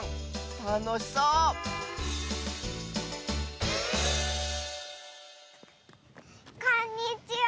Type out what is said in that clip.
たのしそうこんにちは！